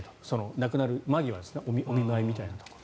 亡くなる間際お見舞いみたいなところ。